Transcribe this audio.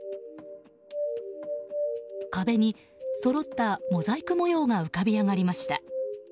壁に、そろったモザイク模様が浮かび上がりました。